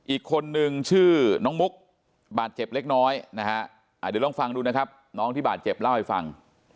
อีกคนนึงชื่อน้องมุกบาดเจ็บเล็กน้อยนะฮะเดี๋ยวลองฟังดูนะครับน้องที่บาดเจ็บเล่าให้ฟัง